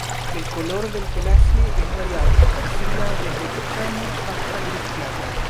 El color del pelaje es variable, oscila desde castaño hasta gris claro.